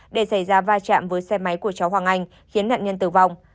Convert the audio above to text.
để xảy ra va chạm với xe máy của cháu hoàng anh khiến nạn nhân tử vong